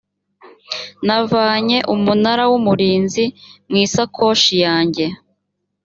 navanye umunara w umurinzi mu isakoshi yanjye